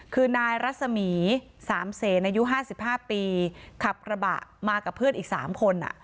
คือนายรัศมีร์สามเสนอายุห้าสิบห้าปีขับกระบะมากับเพื่อนอีกสามคนอ่ะ